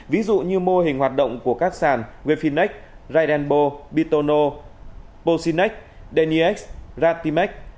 ví dụ như mô hình hoạt động của các sàn wefinex raidenbo bitono pocinex deniex ratimex